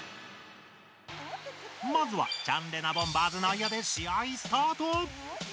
まずはチャンレナボンバーズ内野で試合スタート！